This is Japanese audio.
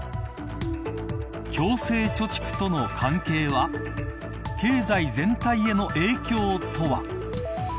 強制貯蓄との関係は経済全体への影響とは。